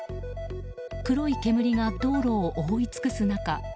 黒い煙が道路を覆い尽くす中